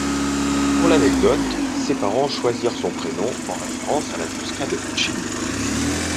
Pour l’anecdote, ses parents choisirent son prénom en référence à la Tosca de Puccini.